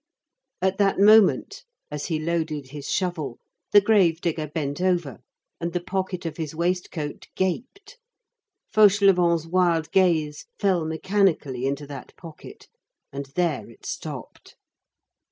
At that moment, as he loaded his shovel, the grave digger bent over, and the pocket of his waistcoat gaped. Fauchelevent's wild gaze fell mechanically into that pocket, and there it stopped.